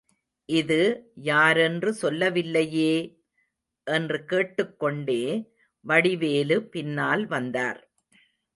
இது யாரென்று சொல்லவில்லையே! என்று கேட்டுக் கொண்டே வடிவேலு பின்னால் வந்தார்.